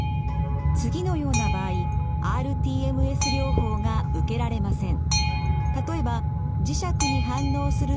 次のような場合ｒＴＭＳ療法が受けられません。